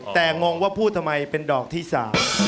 แต่งงว่าพูดทำไมเป็นดอกที่๓